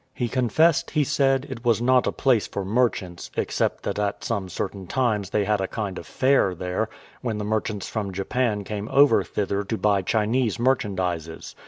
He confessed, he said, it was not a place for merchants, except that at some certain times they had a kind of a fair there, when the merchants from Japan came over thither to buy Chinese merchandises.